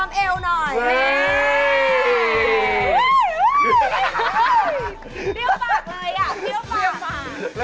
วันนี้เราไม่ได้มาแค่นี้นะครับ